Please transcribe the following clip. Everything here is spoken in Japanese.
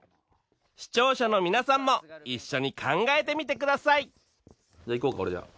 視聴者の皆さんも一緒に考えてみてくださいじゃあいこうか俺。